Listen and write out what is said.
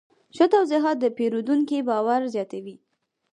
ښه توضیحات د پیرودونکي باور زیاتوي.